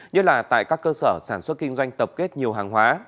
như là tại các cơ sở sản xuất kinh doanh tập kết nhiều hàng hóa